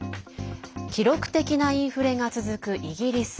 記録的なインフレが続くイギリス。